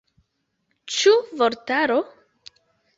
Ĉu vortaro?